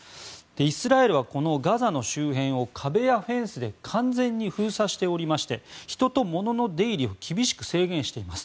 イスラエルはこのガザの周辺を壁やフェンスで完全に封鎖しておりまして人と物の出入りを厳しく制限しています。